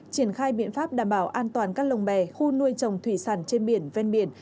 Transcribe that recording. triển khai biện pháp đảm bảo an toàn các lồng bè khu nuôi trồng thủy sản trên biển ven biển